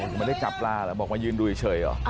มันไม่ได้จับปลาหรอกบอกมันยืนอยู่เฉยหรอ